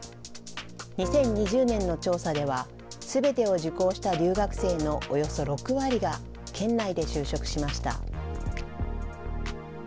２０２０年の調査では、すべてを受講した留学生のおよそ６割が県内で就職しました。